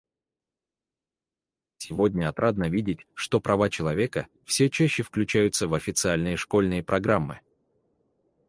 Сегодня отрадно видеть, что права человека все чаще включаются в официальные школьные программы.